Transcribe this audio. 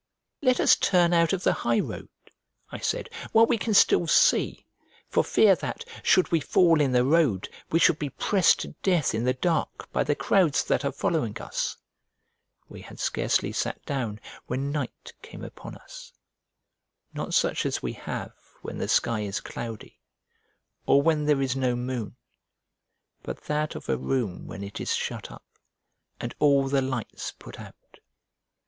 "Let us turn out of the high road," I said, "while we can still see, for fear that, should we fall in the road, we should be pressed to death in the dark, by the crowds that are following us." We had scarcely sat down when night came upon us, not such as we have when the sky is cloudy, or when there is no moon, but that of a room when it is shut up, and all the lights put out.